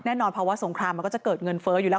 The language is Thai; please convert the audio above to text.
นอนภาวะสงครามมันก็จะเกิดเงินเฟ้ออยู่แล้ว